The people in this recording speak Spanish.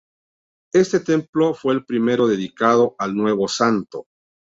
Este templo fue el primero dedicado al nuevo Santo.